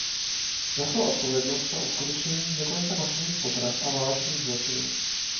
Nesl odpovědnost na uskutečnění několika masových poprav a válečných zločinů.